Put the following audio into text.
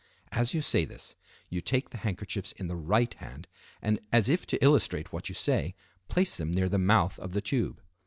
As you say this you take the handkerchiefs in the right hand, and as if to illustrate what you say, place them near the mouth of the tube.